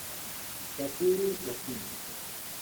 Satoru Makino